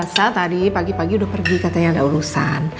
saya tadi pagi pagi udah pergi katanya ada urusan